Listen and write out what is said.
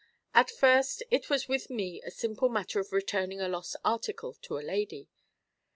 At first it was with me a simple matter of returning a lost article to a lady.